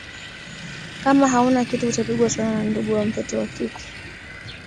Kama hauna kitu utapigwa sana na ndugu wa mtoto wa kike